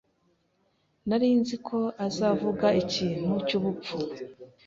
Nari nzi ko azavuga ikintu cyubupfu.